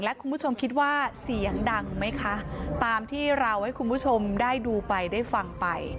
และคุณผู้ชมคิดว่าเสียงดังไหมคะตามที่เราให้คุณผู้ชมได้ดูไปได้ฟังไป